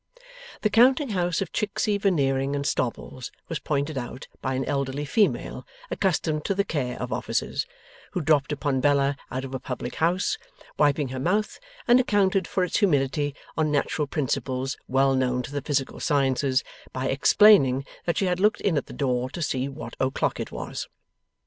The counting house of Chicksey, Veneering, and Stobbles was pointed out by an elderly female accustomed to the care of offices, who dropped upon Bella out of a public house, wiping her mouth, and accounted for its humidity on natural principles well known to the physical sciences, by explaining that she had looked in at the door to see what o'clock it was.